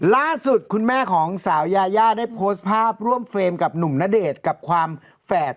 ล่าสุดคุณแม่ของสาวยายาได้โพสต์ภาพร่วมเฟรมกับหนุ่มณเดชน์กับความแฝด